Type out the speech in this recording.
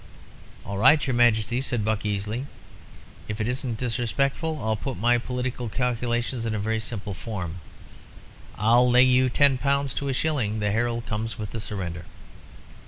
"All right, your Majesty," said Buck, easily; "if it isn't disrespectful, I'll put my political calculations in a very simple form. I'll lay you ten pounds to a shilling the herald comes with the surrender."